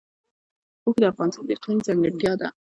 اوښ د افغانستان د اقلیم ځانګړتیا ده.